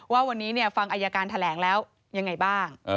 ว่าวันนี้ฟังอายการแถลงแล้วยังไงบ้าง